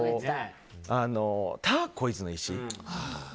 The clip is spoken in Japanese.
ターコイズの石。